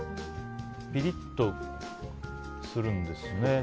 ピリッとするんですね。